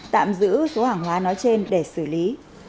tạm giữ số hàng hóa nói trên để xử lý